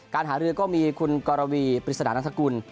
การหารือก็มีคุณกรวีปริศนานัฐกุล